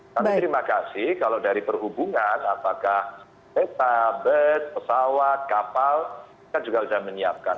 kami terima kasih kalau dari perhubungan apakah peta bes pesawat kapal kita juga sudah menyiapkan